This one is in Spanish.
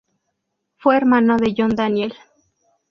Fue hermano de John Daniel.